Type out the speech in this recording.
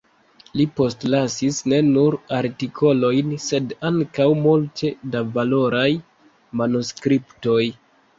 Li postlasis ne nur artikolojn, sed ankaŭ multe da valoraj manuskriptoj.